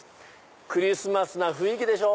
クリスマスな雰囲気でしょ。